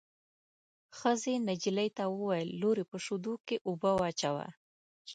ښځې نجلۍ ته وویل: لورې په شېدو کې اوبه واچوه.